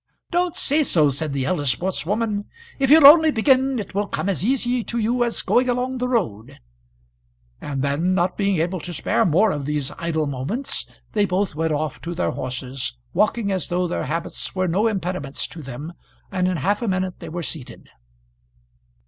"Don't say so," said the eldest sportswoman. "If you'll only begin it will come as easy to you as going along the road;" and then, not being able to spare more of these idle moments, they both went off to their horses, walking as though their habits were no impediments to them, and in half a minute they were seated.